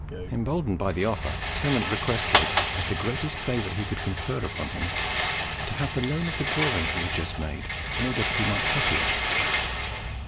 Emboldened by the offer, Clement requested, as the greatest favour he could confer upon him, to have the loan of the drawing he had just made, in order that he might copy it.